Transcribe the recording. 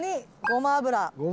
ごま油。